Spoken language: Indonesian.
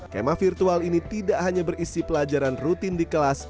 kema virtual ini tidak hanya berisi pelajaran rutin di kelas